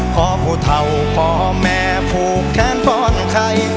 พอผู้เท่าพ่อแม่ผูกแขนป้อนไข่